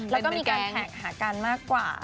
แล้วก็มีการแท็กหากันมากกว่า